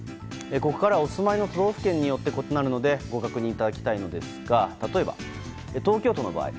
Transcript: ここからは、お住まいの都道府県によって異なるのでご確認いただきたいのですが例えば東京都の場合